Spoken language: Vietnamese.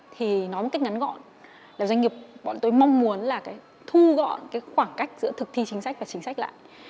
thì nói một cách ngắn gọn doanh nghiệp bọn tôi mong muốn là thu gọn khoảng cách giữa thực thi chính sách và chính sách lại